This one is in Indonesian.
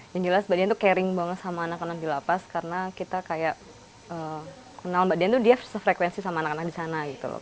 yang jelas mbak dian itu caring banget sama anak anak di lapas karena kita kayak kenal mbak dian itu dia sefrekuensi sama anak anak di sana gitu loh